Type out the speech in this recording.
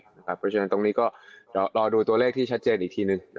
เพราะฉะนั้นตรงนี้ก็รอดูตัวเลขที่ชัดเจนอีกทีนึง